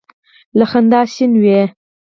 له خندا شین وي.